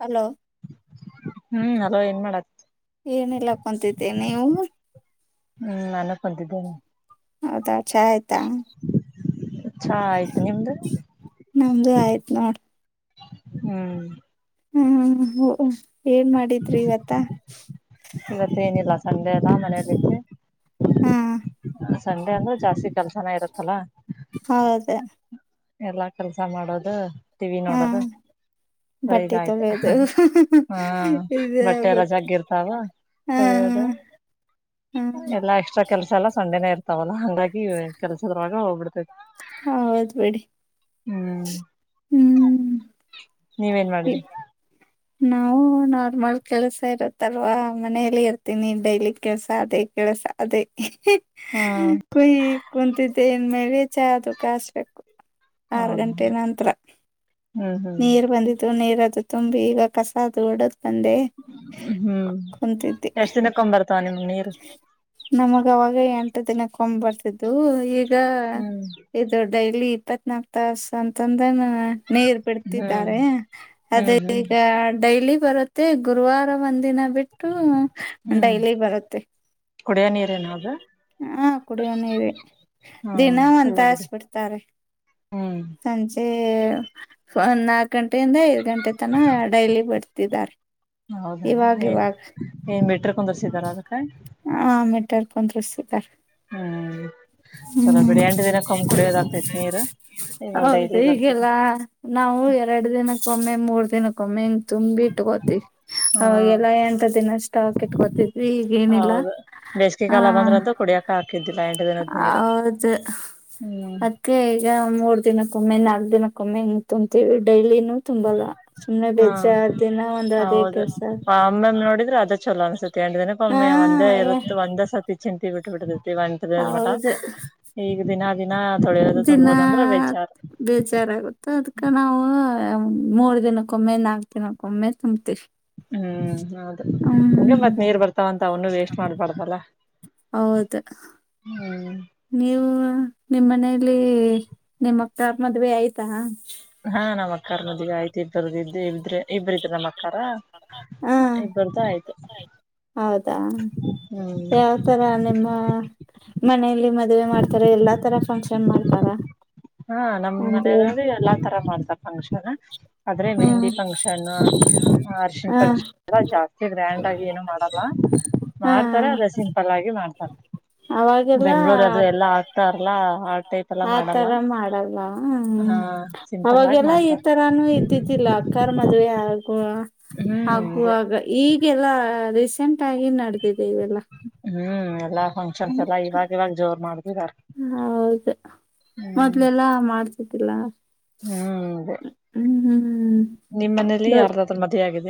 Hello ಹ್ಮ್ ಅಲವ ಏನ್ ಮಾಡತಿ ಏನೆಲ್ಲ ಕುಂತಿದ್ದೇ ನೀವು ಹ್ಮ್ ನಾನಕ್ ಬಂತಿದ್ದೇನೆ ಹೌದಾ ಚಾ ಆಯ್ತಾ ಚಾ ಆಯ್ತು ನಿಮ್ದು ಒ್ದ ಆಯ್ತತ್ ನೋಡ್ ಹ್ಮ್ ಹ್ಮ್ ಏನ್ ಮಾಡಿದ್ರಿ ಇವತ್ತ ಇವತ್ತ ಏನಿಲ್ಲ ಸಂಡೆ ಎಲ್ಲ ಮನೆಯಲ್ಲಿಿದ್ದ ಹಾ ಸಂಡೆ ಅಂದ್ರೆ ಜಾಸ್ತಿ ಕೆಲ್ಸನ ಇರುತ್ತಲ್ಲ ಹೌದ ಎಲ್ಲಾ ಕೆಲ್ಸ ಮಾಡೋದು ಟಿವ ವಿ ಹಾ ನೋಡೋದು ಬಟ್ಟೆ ಸರಿದಾಯ್ತು ತೊಳೆಯೋದು ಹಾ ಇದೇ ಬಟ್ಟೆ ಎಲ್ಲ ಆಗುತ್ತೆ ಜಗ್ಗಿರ್ತಾವ ಹಾ ತಿಳಿಯೋದು ಹಾ ಎಲ್ಲಾ ಎಕ್ಸ್ಟ್ರಾ ಕೆಲ್ಸ ಎಲ್ಲ ಸೊಂಡೆನ ಇರ್ತ ಲ್ಲ ಹಂಗಾಗಿ ಕೆಲ್ಸದವಾಗ ಹೋಗ್ಬಿಡ್ತೈತಿ ಹಾ ಹೌದ್ಬೇಡಿ ಹ್ಮ್ ನೀವೇನ್ ಮಾಡಿದ್ರಿ ನಾವು ನಾರ್ಮಲ್ ಕೆಲ್ಸ ಇರತ್ತಲ್ವಾ ಮನೇಲಿ ಇರ್ತೀನಿ ಡೈಲಿ ಕೆಲ್ಸ ಅದೇ ಕೆಳಸ ಅದೇ ಹ್ಮ್ ಕೊಹಿ ಕುಂತಿದ್ದನ್ ಮೇಲೆ ಚಾ ಅದು ಕಸ್ಬೇಕು ಆರು ಹೌದ ಗಂಟೆ ನಂರ ಹ್ಮ್ ಹ್ಮ್ ನೀರ್ ಬಂದಿದ್ು ನೀರದು್ರೆ ತುಂಬಿ ಈಗ ಕಸ ಅದು ಓಡದು ತಂದೆ ಹ್ಮ್ ಕುಂತಿದ್ದೆ ಎಷ್ಟ್ ದಿನಕ್ಕೊಂಬರ್ತಾವ ನಿಮ್ ನೀರು ನಮಗ ಅವಾಗ ಎಂಟ್ದಿನ ಕೊಂಡ್ ಬರ್ತಿದ್ದು ಈಗ ಹ್ಮ್ ಇದು ಡೈಲಿ ಇಪ್ಪತ್ ನಾಕ್ ತಾಸ ಅಂತಂದ ನೀರ್ ಹ್ಮ್ ಬಿಡ್ತಿದ್ದಾರೆ ಅದ ಹ್ಮ್ ಹ್ಮ್ ಈಗ ಡೈಲಿ ಬರುತ್ತೆ ಗುರುವಾರ ಒಂದ ದಿನ ಬಿಟ್ಟು ಡೈಲಿ ಬರುತ್ತೆ ಬ ನೀರೇನಾಗ ಹಾ ಕುಡಿಯ ನೀವೆ ದಿನ ಹ್ಮ್ ಒಂತ ಚಲೋ ಬಿಡಿ ಹಸ್ಬಿಡ್ತಾರೆ ಹ್ಮ್ ಸಂಜೆ ಸನ್ನ ಗಂಟೆಯಿಂದ ಐದ್ ಗಂಟೆ ತನ ಡೈಲಿ ಬಡ್ತಿದ್ದಾರೆ ಇವಾಗ ಇವಾಗ ತುಂದರ ಸಿಿತರ ಅದಕಾಯ ಪೊ್ರ ಸಟರ ಹ್ಮ್ ಚಲೋ ಬಿಡಿ ಎಂಟು ದಿನ ಕಮ್ ಕುಡಿಯೋದ ಆಗ್ತೈತಿ ನೀರ್ ಹೌದು ಈಗೆಲ್ಲ ನಾವು ಎರಡು ದಿನಕ್ಕೊಮ್ಮೆ ಮೂರ್ ದಿನಕ್ಕೊಮ್ಮೆ ತುಂಬಿ ಇಟ್ಕೋತವಿ ಹ್ಮ್ ಅವಾಗೆಲ್ಲ ಎಂಟ ದಿನ ಸಾಕ್ ಇಟ್ಕೋತಿದ್ವಿ ಈಗ ಏನಿಲ್ಲ ಹೌದು ಬೇಸಿಗೆ ಕಾಲ ಬಂದ್ರದ್ದು ಕುಡಿಯಕ ಹಾಕಿದ್ದು ಹೌದು ಹ್ಮ್ ಅದಕ್ಕೆ ಈಗ ಮೂಡ್ ದಿನಕ್ಕೊಮ್ಮೆ ನಾಲ್ಕ್ ದಿನಕ್ಕೊಮ್ಮೆ ನಿಂತುಂತೀವಿ ಡೈಲಿ ತುಂಬಲ್ಲ ಸುಮ್ನೆ ಹಾ ಬೇಜ್ಜೆ ಆದ ದಿನ ಒಂದ್ ಅದ ಹೌದು ಕೆಲ್ಸ ಂಡಿದನಪ್ಪ ಹಾ ಒಮ್ಮೆ ಒಂದೇ ಇರತ್ತು ಒಂದ ಸತಿ ಚಿಂತಿ ಬಿಟ್ಟು ಟ್ಟ ಬಿಡರ್ತಿ ಒಟ ಅ ಮಟ ಈಗ ದಿನ ದಿನ ತೊಳೆಯೋದು ದಿನ ತುಂಬೋದು ಅಂದ್ರ ಬೇಜಾರ್ ಬೇಜಾರಾಗುತ್ತೆ ಅದ್ಕ ನಾವು ಮೂರು ದಿನಕ್ಕೊಮ್ಮೆ ನಾಲ್ಕು ದಿನಕ್ಕೊಮ್ಮೆ ತುಂಬ್ತವಿ ಹ್ಮ್ ಹೌದು ಹ ಮತ್ ನೀರ್ ಬರ್ತಾವಂತ ಅವನು ವೇಸ್ಟ್ ಮಾಡ್ಬಾರ್ದಲ್ಲ ಹೌದು ಹ್ಮ್ ನೀವು ನಿಮ್ಮ ಮನೇಲಿ ನಿಮ್ಮಕ್ಕಾರ್ ಮದ್ುವೆ ಆಯ್ತಾ ಹಾ ನಮ್ಮ್ ಅಕ್ಕಾರ್ ಮದಿಗೆ ಆಯ್ತು ಇಬ್ಬರದ ಇದ ಇ್ರೆ ಇಬ್ಬರ ಇದ್ರ ನಮ್ಮ ಅಕ್ಕಕಾರ ಇಬ್ಬರ್ದು ಆಯ್ತು ಹೌದಾ ಹ್ಮ್ ಯಾವತರ ನಿಮ್ಮ ಮನಲಿ ಮದ್ವೆ ಮಾಡ್ತಾರ ಎಲ್ಲಾ ತರ ಫಂಕ್ಷನ್ ಮಾಡ್ತಾರ ಹಾ ನಮ್ ಅಂದ್ರೆ ಮನ ಎಲ್ಲಾ ತರ ಮಾಡ್ತ ಫಂಕ್ಷನ್ ಆದ್ರೆ ಹ್ಮ್ ಮೆಹಂದಿ ಫಂಕ್ಷನ್ ಅರ್ಶಿನ್ ಹ ಫಂಕ್ಷನ್ ಎ ಜಾಸ್ತಿ ಗ್ರ್ಯಾಂಡ್ ಆಗಿ ಏನ ಮಾಡಲ್ಲ ಹಾ ಮಾಡ್ತಾರೆ ಅದೇ ಸಿಂಪಲ್ ಆಗಿ ಮಾಡ್ತಾರೆ ಅವಾಗೆಲ್ಲ ಬೆಂಗ್ಳೂರ್ ಅದು ಎಲ್ಲ ಆಗ್ತಾರಲ್ಲ ಆತೈತಲ್ಲಾ ಮಾಡಲ್ಲ ಆತರ ಮಾಡಲ್ಲ ಹಾ ಸಿಂಪಲ್ ಆಗಿ ಅವಾಗೆಲ್ಲ ಈ ಮಾಡ್ತಾರ ತರಾನು ಇದ್ದಿದ್ದಿಲ್ಲ ಅಕ್ಕಾರ್ ಮದುವೆ ಆ ಆುವ ಹ್ಮ್ ಆಗುವಾಗ ಈಗೆಲ್ಲ ರೀಸೆಂಟ್ ಏನ್ ನಡದಿದೆ ಇವೆಲ್ಲಾ ಹ್ಮ್ ಎಲ್ಲಾ ಫಂಕ್ಷನ್ಸ್ ಹ್ಮ ಎಲ್ಲಾ ಇವಾಗ ಇವಾಗ ಜೋರ್ ಮಾಡ್ತಿದಾರ ಹೌದ ಹ್ಮ್ ಮೊದ್ಲೆಲ್ಲಾ ಮಾಡ್ತ ಸಿಲ್ಲ ಹ್ಮ್ ಹ್ಮ್ ನಿಮ ಮನೇಲಿ ಯಾರ್ದಾದ್ರೂ ಮದುವೆ ಆಗಿದ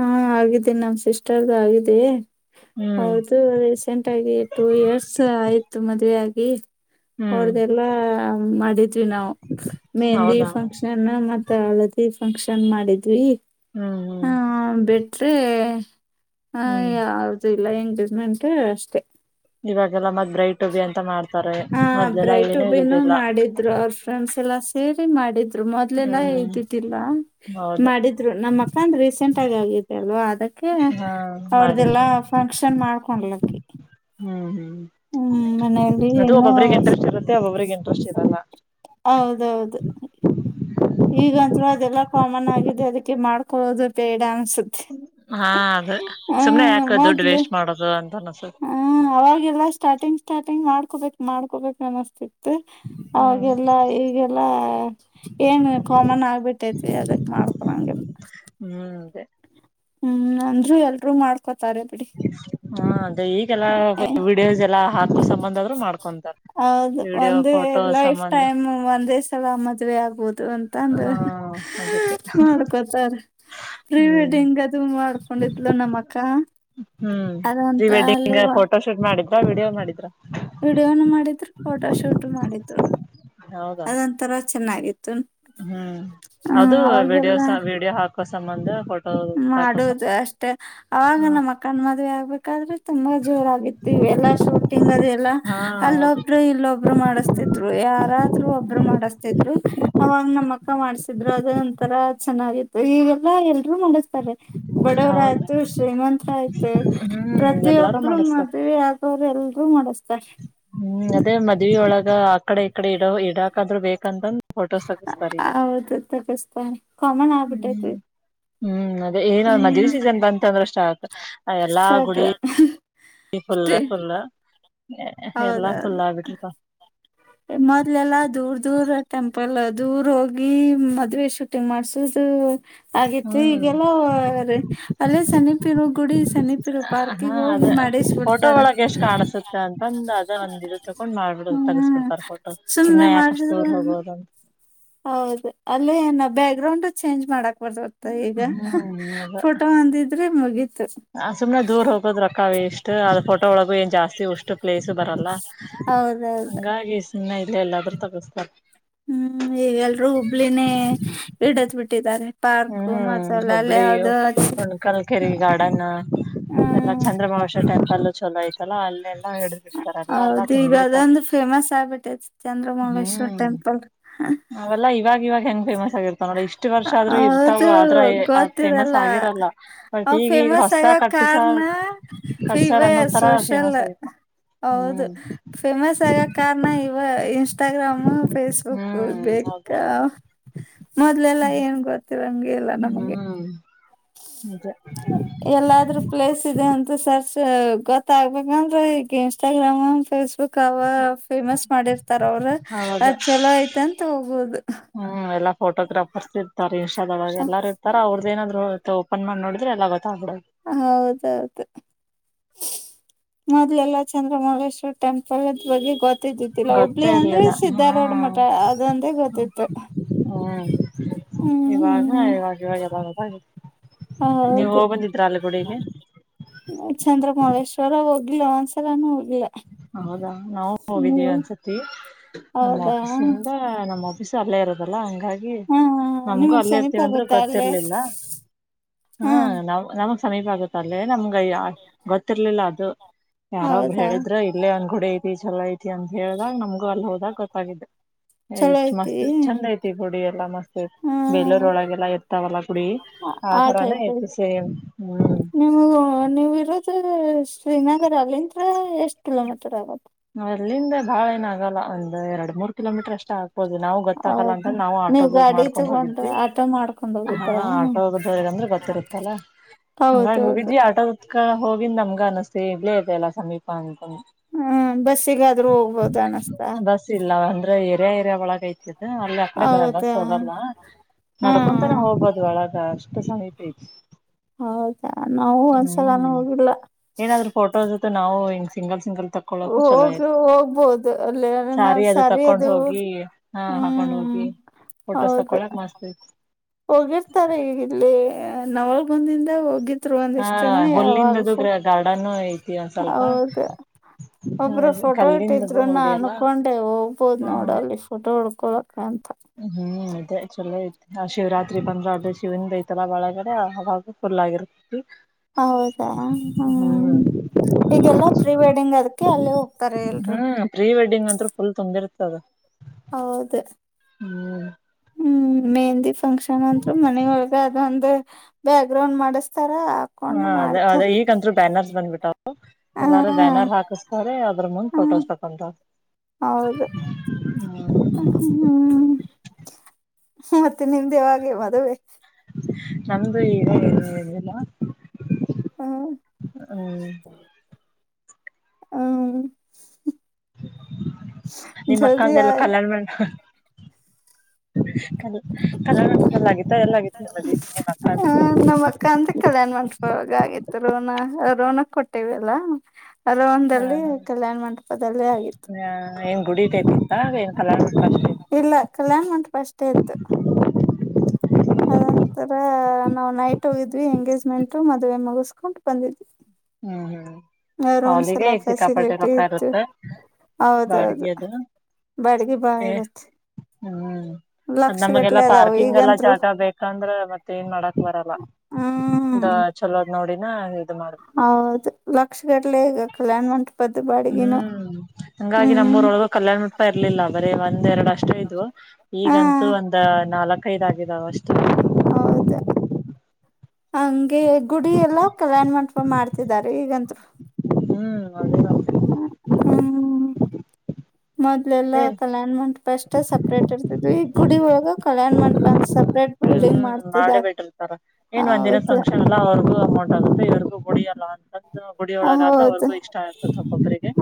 ಹಾ ಆಗಿದ್ದೇನಿ ನಮ ಸಿಸ್ಟರ್ದ ಆಗಿದ್ದ ಹ್ಮ್ ಹೌದು ರೀಸೆಂಟ್ ಆಗಿ ಟೂ ಇಯರ್ಸ್ ಆಯ್ತು ಮದ್ುವೆ ಆಗಿ ಹ್ಮ ಹೊರ್ದಲ್ಲಾ ಮಾಡಿದ್ವಿ ನಾವು ಮೆಹಂದಿ ಹೌದಾ ಫಂಕ್ಷನ್ ಮತ್ತ ಅಳದ ಫಂಕ್ಷನ್ ಮಾಡಿದ್ವಿ ಹ್ಮ್ ಹ್ಮ್ ಆ ಬಿಟ್ರೆ ಆ ಹ್ಮ್ ಯಾವ್ದು ಇಲ್ಲ ಎಂಗೇಜ್ಮೆಂಟ್ ಅಷ್ಟೆ ಇವಾಗೆಲ್ಲಾ ಮತ್ ಬ್ರೈಟ್ ಉಬಿ ಅಂತ ಮಾಡ್ತಾರೆ ಹ ಮೊದ್ಲೆಲ್ಲಾ ಬ್ರೈಟ್ ಏನುೂ ಇರುದಿಲ್ಲ ಎಲ್ಲ ಸೇರಿ ಮಾಡಿದ್ದ ಮೊದ್ಲೆಲ್ಲಾ ಹ್ಮ್ ತಿತಿಲ್ಲ ಹೌದು ಮಾಡಿದ್ರು ನಮ್ಮ್ ಅಕ್ಕ ಅಂದ ರೀಸೆಂಟ್ ಆಗಿ ಆಗತೆ ಅಲ್ವಾ ಅದ ಹಾ ಅವ್ರ್ದಲ್ಲಾ ಮಾಡಿದ್ರು ಫಂಕ್ಷನ್ ಮಾಡ್ಕೊಂಡಲಕ್ಕಿ ಹ್ಮ್ ಹ್ಮ್ ಅದು ಏನು ಒಬ್ಬೊಬಿಗೆ ಇಂಟ್ರೆಸ್ಟ್ ಇರುತ್ತೆ ಒಬೊಬ್ರಿಗೆ ಇಂಟ್ರೆಸ್ಟ್ ಇರಲ್ಲ ಹೌದೌದು ಈಗಂಂತ ಅದೆಲ್ಲಾ ಕಾಮನ್ ಆಗಿದೆ ಅದಕ್ಕೆ ಮಾಡ್ಕೊೋದು ಬೇಡ ಅನ್ಸುತ್ತೆ ಹಾ ಅದ ಹ್ಮ ಸುಮ್ನೆ ಯಾಕ ದುಡ್ಡು ಮೊದ್ಲು ವೇಸ್ಟ್ ಮಾಡೋದು ಅಂತ ಅನ್ಸುತ್ತೆ ಹ ಅವಾಗಲ್ಲ ಸ್ಟಾರ್ಟಿಂಗ್ ಸ್ಟಾರ್ಟಿಂಗ್ ಆರು ಹಕೋಬೇಕಕ್ ಮಾಡ್ಕೋಬೇಕ ಅನಸ್ತಿತ್ತು ಹ್ಮ್ ಅವಾಗೆಲ್ಲಾ ಈಗೆಲ್ಲ ಕಾಮನ್ ಆಗ್ಬಿಟ್ಟೈತಿ ಅದಕ್ ಮಾಡ್ಕೊಂಗಲ್ಲ ಹ್ಮ ಅದ ಹ್ಮ್ ಅಂದ್ರರು ಎಲ್ರುೂ ಮಾಡ್ಕೋತಾರೆ ಬಿಡಿ ಹಾ ಈಗೆಲ್ಲಾ ವೀಡಿಯೋಸ್ ಎಲ್ಲಾ ಹಾಕೋ ಸಂಬಂದ ಆದ್ರರು ಮಾಡ್ಕೊಂತಾರ ಅದು ವಿಡಿಯೋ ಒಂದೇ ಫೋಟೋ ಲೈಫ್ ಸಂಬಂಧ ಟೈಮ್ ಒಂದೇ ಸಲ ಮದುವೆ ಆಗ್ಬೋದು ಅಂತಂದ ಹಾ ಅದಕ್ಕೆ ಮಾಡ್ಕೋತಾರ ಪ್ರೀ ಹ್ಮ್ ವೆಡ್ಡಿಂಗ್ ಅದು ಮಾಡ್ಕೊಂಡಿದ್ಲು ನಮ್ಮ ಅಕ್ಕ ಹ್ಮ್ ಪ್ರೀ ಅದಂತ ಅಲ್ಲಿ ವಡ್ಡಿಂಗ್ ಫೋಟೋ ಶೂಟ್ ಮಾಡಿದ್ರ ವಿೀಡಿಯೋ ಮಾಡಿದ್ರ ವಿಡಿಯೋನು ಮಾಡಿದ್ರು ಫೋಟೋ ಶೂಟ್ ಮಾಡಿದ್ರು ಹೌದಾ ಅದೊಂಂತರ ಚೆನ್ನಾಗಿತ್ತು ಹ್ಮ್ ಹ್ಮ ಅದು ಅವಾಗಲ್ಲ ವಿಡಿಯೋಸ ವಿಡಿಯೋ ಹಾಕೋ ಸಂಬಂಧ ಕೊಟ್ಟ ಮಾಡುವುದು ಅಷ್ಟೇ ಅವಾಗ ಹ್ಮ ನಮ್ಮ ಕಣ ಮದ್ವೆ ಆಗ್ಬೇಕಾದ್ರೆ ತುಂಬಾ ಜೋರಾಗಿತ್ತು ಎಲ್ಲ ಶೂಟಿಂಗ್ ಅದೆಲ್ಲ ಹಾ ಹೌದು ಅಲ್ಲೊಬ್ರು ಇಲ್ಲೊಬ್ರು ಮಾಡಿಸತಿದ್ರು ಯಾರಾದ್ರರು ಒಬ್ರು ಹ್ಮ್ ಮಾಡ ಜಸ್ತ ಇದ್ರು ಅವಾಗ ನಮ್ಮ ಅಕ್ಕ ಮಾಡ್ಸಿದ್ರು ಅದ ಒಂಂತರ ಚೆನ್ನಾಗಿತ್ತು ಈವೆಲ್ಲಾ ಎಲ್ರೂ ಮಾಡಿಸ್ತಾರೆ ಬಡವರ ಹೌದು ಆಯ್ತು ಶ್ರೀಮಂತ ಆಯ್ತು ಹ್ಮ್ ಎಲ್ಲಾರು ಪ್ರತಿಯೊಬ್ಬರು ಮಾಡಸ್ತಾರ ಮದವಿ ಯಾಕೋ್ರಲ್ಲ ಲ್ಗೂ ಮಾಡಿಸತಾರೆ ಹ್ಮ್ ಅದೇ ಮದ್ ಒಳಗ ಆಕಡೆ ಈಕಡೆ ಇಡ ಇಡಾಕಾದ್ರು ಬೇಕಂತಂದ ಫೋಟೋಸ್ ತಗಸ್ತಾರ ಈಗ ಹೌದು ತಪಸ್್ತ ಕಾಮನ್ ಆಗ್ಬಿಟ್ಟೈತ್ ಹ್ಮ್ ಹ್ಮ್ ಅದೇ ಏನ ಮದ್ೆ ಸೀಸನ್ ಬಂತ ಅಂದ್ರೆ ಸ್ಟಾಕ್ ಎಲ್ಲಾ ಸಾಕು ಗುಡಿ ಅಷ್ಟೇ ಫುಲ್ ಫುಲ್ ಎಲ್ಲಾ ಹೌದೌದು ಫುಲ್ ಆಗ್ಬಿಟ್ರತ ಮೊದ್ಲೆಲ್ಲಾ ದೂರ್ ದೂರ ಟೆಂಪಲ್ ದೂರ ಹೋಗಿ ಮದ್ವೆ ಶೂಟಿಂಗ್ ಮಾಡ್ಸುದು ಆೇತ್ತು ಹ್ಮ್ ಈಗೆಲ್ಲ ಅಲ್ಲೇ ಸನಿಪಿರು ಗುಡಿ ಸನ್ನಿಪಿರು ಹಾ ಪಾರ್ಕಿಗೆ ಅದ ಹೋಗಿ ಮಾಡಿಸ್ ಫೋಟೋ ಬಿಡ್ತಾರ ಒಳಗೆ ಎಷ್ಟ್ ಕಾಣಸುತ್ತೆ ಅಂತಂದು ಅದ ಒಂದ ಇದು ತಕೊಂಡ್ ಮಾಡ್ಬಿಡ ಹ್ಮ್ ತಗಸ್್ಬಿಡ್ತಾರೆ ೋಟ ಸುಮ್ನೆ ಸುಮನೆ ಯಾಕಷ್ಟ ಮಾಡ್ಸಿದ್ರ ತೋರ್ ಹೋಗೋದು ಹೌದು ಅಲ್ಲೇ ಏನ ಬ್ಯಾಕ್ ಗ್ರೌಂಡ್ ಚೇಂಜ್ ಮಾಡಕ್ ಬರ್ ಬರ್ತ ಈಗ ಹ್ಮ್ ಅದ ಫೋಟೋ ಅಂದಿದ್ರೆ ಮುಗೀತು ಸುಮ್ನೆ ದೂರ್ ಹೋಗೋದ್ ರೊಕ್ಕ ಇಷ್ಟು ಅದ ಫೋಟೋ ಒಳಗೂ ಏನ್ ಜಾಸ್ತಿ ಉಷ್ಟು ಪ್ಲೇಸ್ು ಬರಲ್ಲ ಹೌದೌದು ಹಂಗಾಗಿ ಸುಮ್ಮನೆ ಇಲ್ಲ ಎಲ್ಲಾದ್ರೂ ತಗಸ್ತಾರೆ ಹ್ಮ್ ಈಗೆಲ್ರೂ ಹುಬ್ಳಿನೇ ಹಿಡದ ಬಿಟ್ಟಿದ್ದಾರೆ ಪಾರ್ಕು ಹ್ಮ್ ಮಸಾಲ ಅಲ್ಲ ಹುಬ್ಳಿ ಯದು ಎಲ್ಲ ಚಂದ್ರಮಹೇಶ ಟೆಂಪಲ್ ಚಲೋ ಐ ಎಲ್ಲ ಹಡ್ತಾರೆ ಎಲ್ಲ ಎಲ್ಲ ಹೌದು ಈಗ ತುಂಬಿರ್ತಾರೆ ಅದೊಂದು ಫೇಮಸ್ ಆಗ್ಬಿಟ್ಟೈತಿ ಚಂದ್ರಮೌಳೇಶ್ವರ ಹ್ಮ್ ಟೆಂಪಲ್. ಅವೆಲ್ಲಾ ಇವಾಗ ಇವಾಗ ಹೆಂಗ ಫೇಮಸ್ ಆಗಿರ್ತಾವ ನೋಡ ಇಷ್ಟ್ ವರ್ಷ ಆದ್ರರು ಇರ್ತಾವ ಹೌದು ಅದ್ರ ಅ್ ಫೇಮಸ್ ಗೊತ್ತಿರಲ್ಲ ಆಗಿರಲ್ಲ ಬಟ್ ಅವ್ ಈಗ ಈಗ ಫೇಮಸ್ ಹೊಸತ ಆಗಕ್ ಕಟ್ಟಿಸ ಕಾರಣ ಇವ ಕಟ್ಸರ್ ಅನ್ನೋ ತರ ಸೋಷಲ್ ಫೇಮಸ್ ಆಗತ್ತು ಹೌದು ಫೇಮಸ್ ಆಗ ಕಾರಣ ಇವ ಇನ್ಸ್ಟಾಗ್ರಾಮು ಫೇಸ್ಬುಕ್ ಹ್ಮ್ ಬೇಕು ಹೌದ ತ್ತ ಮೊದ್ಲೆಲ್ಲ ಏನ್ ಗೊತ್ತವಂಗಗೆ ಹ್ಮ್ ಅದೇ ಎಲ್ಲಾದ್ರೂ ಪ್ಲೇಸ್ ಇದೆ ಅಂತೂ ಸರ್ ಗತ್ತ ಆಗಬೇಕಕ್ಷಂತರ ಇನ್ಸ್ಟಾಗ್ರಾಮ್ ೇಸ್ಬುಕ್ ಕವಾ ಫೇಮಸ್ ಮಾಡಿರ್ತಾರ ಅವ್ರ ಹೌದು ಅದ್ ಚಲೋ ಐ್ತೆ ಅಂತ ಹೋಗುದು ಹ್ಮ್ ಎಲ್ಲಾ ಫೋಟೋಗ್ರಾಫರ್ಸ್ ಇರ್ತಾರೆ ಇನ್ಸ್ಟಾದಾಗ ಎಲ್ಲ ಇರ್ತಾರೆ್ರದ ನಾದ್ರು ಓಪನ್ ಮಾಡ ನೋಡ್ರ ಎಲ್ಲ ಗೊತ್ತಾಗ್ಬಿಡದು ಹೌದೌದು ಮೊದ್ಲೆಲ್ಲಾ ಚಂದ್ರಮಲ್ಲೇಶ್ವರ್ ಟೆಂಪಲ್ ಅದ್ ಬಗ್ಗೆ ಗೊತ್ತಿದಿತಿಲ್ಲ ಗೊತ್ತೇ ಹುಬ್ಳಲಿ ಅಂದ್ರೆ ಇರ್ಲಿಲ್ಲ ಹಾ ಸ್ಧಾರ್ೋಡ್ ಮಠ ಅದೊಂದೆ ಗೊತ್ತಿತ್ತು ಹ್ಮ್ ಇವಾಗವಲ್ಲ ನೀವು ಹೌದು ಹೋಗ್ಬಂದಿದ್ರಾ ಅಲಗೂಡಗೆ ಚಂದ್ರಮಳೇಶ್ವರ ಹೋಗ್ಿಲ್ಲ ಒಂದ್ಸಲ ನೋ ಹೌದಾ ನಾವು ಹೋಗಿದೀವಿ ಒಂದ್ಸತಿ ನಮ್ಮ ಹೌದಾ ಆಫೀಸಂದ ನಮ್ಮ್ ಆಫೀಸ್ ಅಲ್ಲೇ ಇರೋದಲ್ಲ ಹಂಗಾಗಿ ಹಾ ನಮಗೂ ನಿಮಗ್ ಅಲ್ಲೇ ಸಮೀಪ ಇರ್ತಿೀವ ಅಂದ್ರೆ ಗೊತ್ತಾ ಅಲ್ಲೇ ಗೊತ್ತಿರ್ಲಿಲ್ಲ ಹಾ ನ ನಮ ಸಮೀಪ ಆಗುತ್ತ ಅಲ್ಲೇ ನಮ್ಗೆ ಯ ಗೊತ್ತಿರ್ಲಿಲ್ಲ ಅದು ಯಾರೊಬ್ರು ಹೌದಾ ಹೇಳಿದ್ ಇಲ್ಲೇಂದ್ ಕೂಡೆ ಐತಿ ಚಲ ಐತಿ ಐ ಅಂತ ಹೇಳಿದಾಗ ನಮಗ ಅಲ್ಲಿ ಹೋದಾಗ ಗೊತ್ತಾಗಿದ್ದಾಗಿದೆ ಚಲೋ ಇಷ್ಟ್ ಐತಿ ಮಸ್ತ್ ಚಂದ ಐತಿ ಗುಡಿ ಎಲ್ಲ ಮಸ್ತ್ ಹ್ಮ್ ಬೇಲೂರ್ ಒಳಗೆಲ್ಲಾ ಎತ್ತಾವಲ್ಲ ಕುಡಿ ಆ ಆತರಾನ ಟೈಪ್ ಎತಿ ಐತಿ ಸೇಮ್ ಹ್ಮ್ [unintelligible] ಶ್ರೀನಗರ ಅಲ್ಲಿಂದ್ರ ಎಷ್ಟ್ ಕಿಲೋಮೀಟರ್ ಆಗುತ್ತೆ ಅಲ್ಲಿಂದ ಬಾಳ ಏನ ಆಗೋಲ್ಲ ಒಂದಂದು ಎರಡು ಮೂರ್ ಕಿಲೋಮೀಟರ್ ಅಷ್ಟೇ ಆಗ ದು ನಾವು ಗೊತ್ತಾಕಲ್ಲ ಅಂತ್ರ ಹೌದ ನಾವು ನೀವ್ ಆಟೋದ ಗಾಡಿ ಮಾಡ್ಕೊಂಡ್ ತಗೊಂಡ್ರ ಹೋಗಿದ್ವಿ ಆಟೋ ಮಾಡ್ಕೊಂಡ್ ಹ ಹೋಗಿದ್ರ ಆಟೋ ಂದ್ರೆ ಗೊತ್ತಿರುತ್ತಲ್ಲ ಹಂಗಾಗಿ ಹೌದೌದು ಹೋಗಿದ್ವಿ ಆಟದತ್ಕ ಹೋಗಿಂದ ನಮ್ಗ ಅನಸ್್ತತಿ ಇಗ್ಲೇ ತೆ ಎಲ್ಲ ಸಮೀಪ ಅಂತ ಹ್ಮ್ ಬಸ್ಸಿಗಾದ್ರೂ ಹೋಗ್ಬೋದ ಅನಸ್ತ ಬಸ್ ಇಲ್ಲ ಅಂದ್ರೆ ಏರಿಯಾ ಏರಿಯ ಒಳಗಐತಿ ಅಲ್ಲಿ ಅಕಡೆ ಬಸ್ ಹೌದಾ ಹೋಗಲ್ವಾ ನಡ್ಕೊಂತಾನೆ ಹ್ಮ್ ಹೋಗ್ಬೋದು ಒಳಗ ಷ್ಟ ಸಹಪೇ ಹೌದಾ ನಾವು ಒಂದ್ಸಲಾನು ಹ್ಮ್ ಹೋಗಿಲ್ಲ ಏನಾದ್ೂ ಫೋಟೋಸ್ ನಾವು ಹಂಗ ಸಿಂಗಲ್ ಸಿಂಗಲ್ ತಕೊಳಕು ಚಲೋ ಹೋಗಿ ಇತೆ ಹೋಗ್ಬೋದು ಅಲ್ಲಿ ಸಾರಿ ನಾವ್ ಅದು ಸರಿ ತಕೊಂಡ್ ಹೋಗಿ ಹ ಹಾಕೊಂಡ್ ಹ್ಮ್ ಹೋಗಿ ಫೋಟೋಸ್ ಹೌದು ತಕೊಳಕ್ ಮಾಸ್ತ್ೈತಿ ಹೋಗಿರ್ತಾರೆ ಈಗಿಲ್ಲಿ ನವಲ್ಗುಂದಿಂದ ಹೋಗಿ ಹ ಒಂದ ಹಾ ಇಷ್ಟನ ಯಾವಾಗ ಹುಲ್ಲಿಂದದು ಗಾರ್ಡನ್ನು ಐತಿ ಒಂದ್ ಸ್ವಲ್ಪ ಹೌದ ಒಬ್ರು ಫೋಟೋ ಕಲ್ಲಿಂದ ಇಟ್ಟಿದ್ರು ನ ನೋಡಿ ಅಲ್ಲ ಅನ್ಕೊಂಡೆ ಹೋಗ್ಬೋದ್ ನೋಡ ಅಲ್ಲಿ ಫೋಟೋ ಹಡ್ಕ ಕಲಕಂತ ಹ್ಮ್ ಅದೇ ಚಲೋ ಐತೆ ಆ ಶಿವರಾತ್ರಿ ಬಂದ್ರ ಅ ಶಿವನ ಐತಲ್ಲ ಒಳಗಡೆ ಅವಾಗ ಳ್ಳಾಗಿರು ಹೌದಾ ಹ್ಮ್ ಈಗೆಲ್ಲ ಪ್ರೀ ವಡ್ಡಿಂಗ್ ಅದ್ಕ್ಕೆ ಅಲ್ಲಿೇ ಹೋಗ್ತಾರೆ ಎಲ್ರು ಹ್ಮ್ ಪ್ರೀ ವೆಡ್ಡಿಂಗ್ ಅಂತತ್ರ ಫುಲ್ ತುಂಬಿ ಇರ್ತದದು ಹೌದು ಹ್ಮ್ ಹ್ಮ್ ಮೇಹಿ ಫಂಕ್ಷನ್ ಅಂದರು ಮನೊಳಗ ಅದಂದ ಬ್ಯಾಕ್ ಗ್ರೌಂಡ್ ಮಾಡ ಹಾ ಅದ ಅದ ಈಗಂತರು ಬ್ಯಾನರ್ಸ್ ಬಂದ್ಬಿಟ್ಟವು ಎಲ್ಲಾರೂ ಹ ಬ್ಯಾನರ್ ಹಾಕಸ್ತಾರೆ ಅದ್ರ ಮುಂದ್ ಫಟೋಸ್ತಕಂತ ಅವರು ಹ್ಮ್ ಮತ್ತೆ ನಿಮ್ದೇವೆ ಮದುವೆ ನಮ್ದು ಈ ಹ್ಮ್ಮ್. ಹ್ಮ ಹ್ಮ್ ನಿಮ್ಮ ಜಲ್ದಿ ಅಕ್ಕಂದ ಎಲ್ಲ ಆಯ್ ಕಲ್ಯಾಣ ಮಾಡ ಕ ಹ ನಮ್ಮ್ ಅಕ್ಕ ಅಂತ ಕಲ್ಯಾಣ್ ಮಾಡ್ಸ್ಕಾಗ ಆಗಿತ್ತು ರೋಣ ರೋಣ ಕೊಟ್ಟೇವಿ ಅಲ್ಲಾ ಅದ ಹಾ ಒಂದಲ್ಲಿ ಕಲ್ಯಾಣ ಮಂಟಪದಲ್ಲಿೇ ಆಗಿತ್ತು ಹಾ ಏನ್ ಗುಡಿ ಟೈಪ್ ಇತ್ತ ಏನ್ ಕಲ್ಯಾಣ ಮಂಟಪ ಇಲ್ಲ ಕಲ್ಯಾಣ ಮಂಟಪ ಅಷ್ಟೇ ಇತ್ತು ಅದಂತರ ನಾವ್ ನೈಟ್ ಹೋಗಿದ್ವಿ ಎಂಗೇಜ್ಮೆಂಟ್ ಮದುವವೆ ಮುಗಸ್ಕೊಂಡು ಬಂದಿದ್ವಿ ಹ್ಮ್ ಹ್ಮ್ ಹ ರೂಮ್ಸ್ ಹಾಲಿಗೆ ಎಲ್ಲ ಈಗ ಸಿಕ್ಕಾಪಟ್ಟೆ ಫೆಸಿಲಿಟಿ ರೊಕ್ಕ ಇತ್ತು ಇರುತ್ತ ಬಾಡ್ಗಿ ಹೌದೌದು ಅದು ಬಡಿಗೆ ಬಾ ಏ ಇರುತ್ತೆ ಹ್ಮ್ ಅದ್ ಲಕ್ಷ ನಮಗೆಲ್ಲಾ ಗಟ್ಲೆ ಅದಾವ ಪಾರ್ಕಿಂಗ್ ಎಲ್ಲ ಈಗಂತ್ರು ಜಾಗ ಬೇಕಂದ್ರೆ ಮತ್ತ ಏನ್ ಮಾಡಕ್ ಬರಲ್ಲ ಹ್ಮ್ ಚಲೋದ್ ನೋಡಿನ ಇ ಮಾಡ ಹೌದು ಲಕ್ಷಗಡ್ಲೆ ಈಗ ಕಲ್ಯಾಣ್ ಮಂಿ ಪದ್ದ ಬ ಅಡಗಿನ ಹ್ಮ್ ಹಂಗಾಗಿ ನಮ್ಮೂರೊಳಗ ಕಲ್ಯಾಣ ಮಟ್ಪ ಇರ್ಲಿಲ್ಲ ಬರೀ ಒಂದ್ ಎರಡು ಅಷ್ಟು ಇದು ಹಾ ಈಗಂತೂ ದು ಒಂದ ನಾಲ್ಕೈದ ಆಗಿದಾವ ಅಷ್ಟು ಹೌದಾ ಹಂಗೆ ಗುಡಿ ಎಲ್ಲಾ ಪ್ರಯಾಣ ಮಾಡ್ ಪ ಮಾಡ್ತಿದಿದ್ದಾರೆ ಈಗಂರು ಹ್ಮ್ ಹಾಗೆ ಹ ಹ್ಮ ಮೊದ್ಲೆಲ್ಲ ಕಲ್ಯಾಣ್ ಮಾಡಂಟ್ ಸ್ಟ್ ಸಪ್ರೇಟ್ ಇರ್ತಿದ್ವಿ ಗುಡಿ ಒಾಗ ಕಲ್ಯಾಣ್ ಮಾಡ್ಪಂದ ಸಪ್ರೇಟ್ ಬಿಲ್ಡಿಂಗ್ ಹ್ಮ್ ಮಾಡೇ ಮಾಡ್ತಿದ್ದಾರೆ ಬಿಟ್ಟಿಲ್ತಾರ ಏನ್ ಒಂದ್ಿನ ಹೌದು ಫಕ್ಷನ್ ಎಲ್ಲ ಅವ್ರಿಗೂ ಅಮೌಂಟ್ ಆಗುತ್ತೆ ಇವರ್ಗೂ ಕುಡಡಿ ಅಲ್ಲ ಅ ಗುಡಿಯೊಳಗಾದ್ರೂ ಹೌದು ಅವ್ರಿಗೂ ಇಷ್ಟ ಆಗ್ತತ್ ಒಬ್ಬೊಬ್ಬರಿಗೆ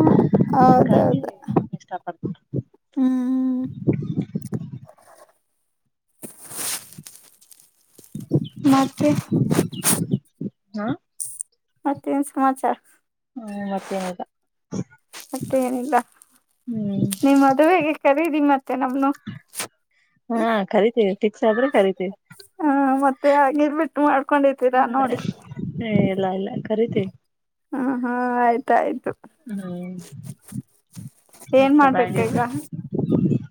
ಅಾಗಿ ಹೌದೌದು ಇಷ್ಟ ಪಡ್ತಾರೆ ಹ್ಮ್ ಹ್ಮ್ ಮತ್ತೆ ಹಾ ಮತ್ತೇನ್ ಸಮಾಚಾರ ಹ್ಮ ಮತ್ತೇನಗ ನಿ್ ಮದುವೆಗೆ ಕರೀದಿ ಮತ್ತೆ ನಮ ಹಾ ಕರಿತೀವಿ ಫಿಕ್ಸ್ ಆದ್ರೆ ಕರಿೀತೀವಿ ಹ್ಮ ಮತ್ತೆ ಆಿಲ್ ಬಿಿಟ್ಟು ಮಾಡ್ಕೊಂಡಿದ್ದೀರಾ ನೋಡಿ ಲ್ಲ ಇಲ್ಲ ಕಖರಿೀತ ಹ ಹಾ ಆಯ್ತಾಯಯ್ತು ಹ್ಮ್ ಏನ್ ಬ ಮಾಡ್ಬೇಕ ಈಗ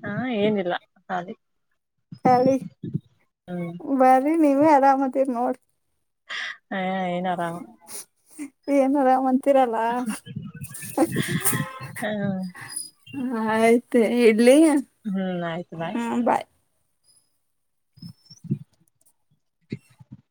ಹಾ ಏನಿಲ್ಲ ಹಾಲಿ ಸರಿ ಬರಿ ನೀವೇ ಅರಾಮತ್ತಿರಿ ನೋಡ್ರಿ ಹ ಏನಾರಾಮ ಏನ್ ಆರಾಮ್ ಅಂತೀರಲ್ಲ ಹ ಹ್ಮ್ ಆಯ್ತು ಇಡ್ಲಿ ಹ್ಮ್ ಆಯ್ತು ಹಾ ಬಾಯ್